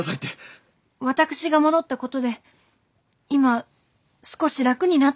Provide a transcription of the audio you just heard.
私が戻ったことで今少し楽になっているのでは？